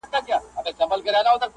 لوی مُلا یې وو حضور ته ور بللی؛